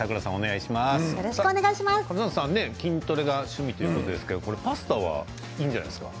笠松さんは筋トレが趣味ということですがパスタはいいんじゃないですか？